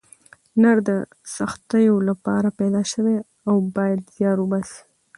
نر د سختیو لپاره پیدا سوی او باید زیار وباسئ.